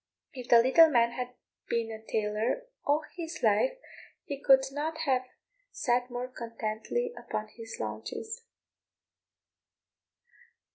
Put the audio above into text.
If the little man had been a tailor all his life he could not have sat more contentedly upon his haunches.